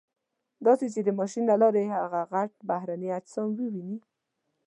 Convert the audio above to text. داسې چې د ماشین له لارې هغه غټ بهرني اجسام وویني.